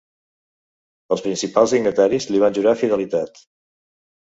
Els principals dignataris li van jurar fidelitat.